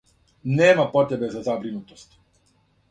Нема потребе за забринутост.